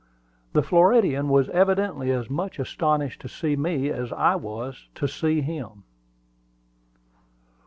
The Floridian was evidently as much astonished to see me as I was to see him.